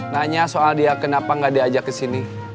nanya soal dia kenapa gak diajak ke sini